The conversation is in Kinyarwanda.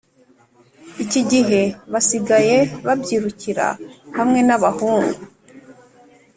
iki gihe basigaye babyirukira hamwe n’abahungu,